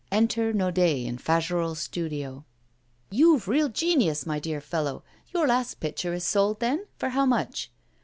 Enter Naudet in Fagerolles' studio. '"You've real genius, my dear fellow. Your last picture is sold, then? For how much?"